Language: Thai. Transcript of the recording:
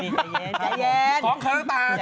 จังหรือเปล่าจังหรือเปล่าจังหรือเปล่าจังหรือเปล่า